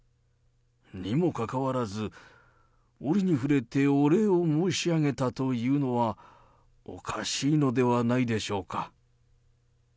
にもかかわらず、折に触れてお礼を申し上げたというのは、おかしいのではないでしょうか。